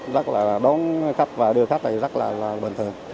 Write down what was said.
rất là đón khách và đưa khách này rất là bình thường